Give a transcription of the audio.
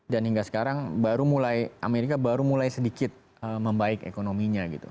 dan hingga sekarang baru mulai amerika baru mulai sedikit membaik ekonominya gitu